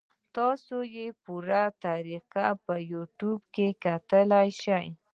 تاسو ئې پوره طريقه پۀ يو ټيوب کتے شئ -